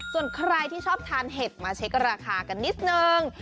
ส่วนใครที่ชอบทานเห็ดมาเช็คราคากันนิดนึง